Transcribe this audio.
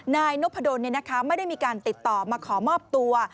นายนพดลไม่ได้มีการติดต่อมาขอมอบตัว